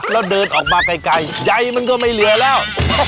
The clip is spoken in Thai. แล้วเดินออกมาไกลใยมันก็ไม่เหลือแล้ว